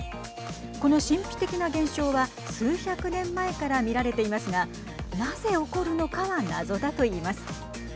この神秘的な現象は数百年前から見られていますがなぜ起こるのかは謎だと言います。